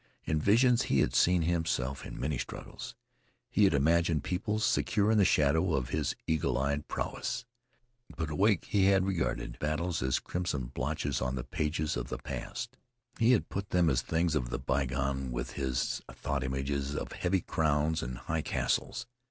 In visions he had seen himself in many struggles. He had imagined peoples secure in the shadow of his eagle eyed prowess. But awake he had regarded battles as crimson blotches on the pages of the past. He had put them as things of the bygone with his thought images of heavy crowns and high castles.